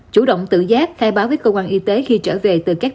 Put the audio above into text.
chủ động tự giác khai báo với cơ quan y tế khi trở về